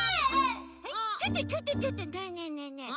ちょっとちょっとちょっとねえねえねえねえ！